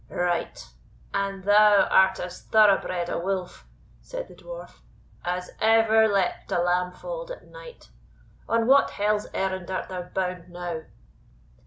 "Right; and thou art as thorough bred a wolf," said the Dwarf, "as ever leapt a lamb fold at night. On what hell's errand art thou bound now?"